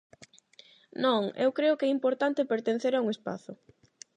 Non, eu creo que é importante pertencer a un espazo.